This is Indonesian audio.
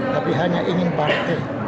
tapi hanya ingin partai